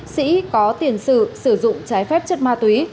sĩ có tiền sử sử dụng trái phép chất ma túy